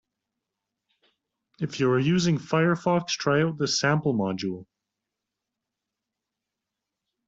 If you are using Firefox, try out this sample module.